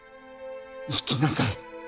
生きなさい。